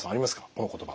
この言葉。